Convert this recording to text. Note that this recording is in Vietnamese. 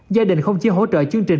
gia đình không chỉ hỗ trợ chương trình